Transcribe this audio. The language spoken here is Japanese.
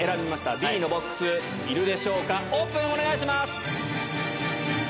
Ｂのボックス、いるでしょうか、オープン、お願いします。